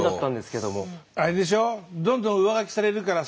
あれでしょ？